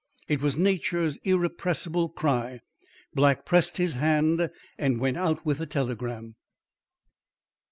It was nature's irrepressible cry. Black pressed his hand and went out with the telegram.